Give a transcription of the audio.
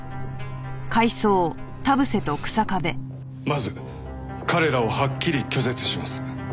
まず彼らをはっきり拒絶します。